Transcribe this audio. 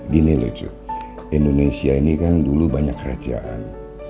gini lucu indonesia ini kan dulu banyak kerajaan